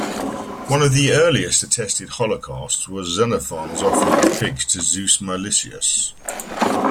One of the earliest attested holocausts was Xenophon's offering of pigs to Zeus Meilichius.